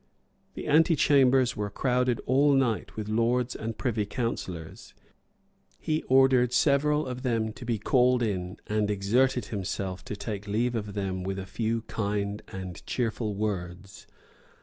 The antechambers were crowded all night with lords and privy councillors. He ordered several of them to be called in, and exerted himself to take leave of them with a few kind and cheerful words.